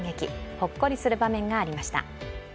ほっこりする場面がありました。